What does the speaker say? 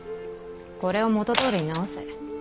これを元どおりに直せ。